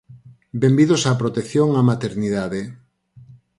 Benvidos á protección á maternidade.